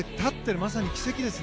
まさに奇跡ですね。